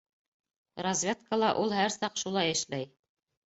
Разведкала ул һәр саҡ шулай эшләй.